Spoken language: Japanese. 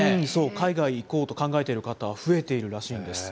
海外行こうと考えている方は増えているらしいんです。